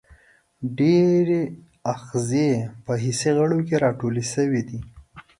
ډېری آخذې په حسي غړو کې را ټولې شوي دي.